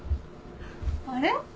あれ？